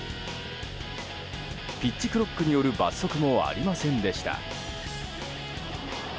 ピッチクロックによる罰則もありませんでした。